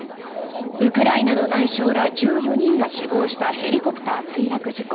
ウクライナの内相ら１４人が死亡したヘリコプター墜落事故。